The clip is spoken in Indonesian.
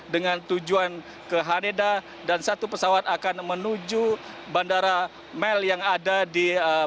dengan tujuan ke haneda dan satu pesawat akan menuju bandara mel yang ada di